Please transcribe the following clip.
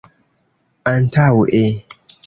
antaŭe